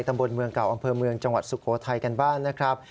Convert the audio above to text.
ตำบลเมืองเก่าอำเภอเมืองจังหวัดสุโขทัยกันบ้างนะครับ